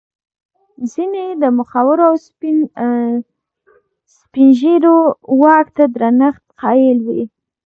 ځیني یې د مخورو او سپین ږیرو واک ته درنښت قایل وي.